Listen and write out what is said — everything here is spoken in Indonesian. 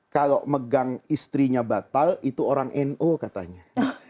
kalau megang istrinya batal itu orang no katanya